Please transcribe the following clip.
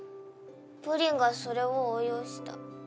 ぷりんがそれを応用した。